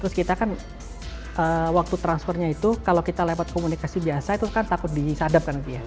terus kita kan waktu transfernya itu kalau kita lewat komunikasi biasa itu kan takut disadamkan